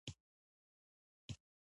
په پټه به د سیاسي انکشافاتو ننداره کوي.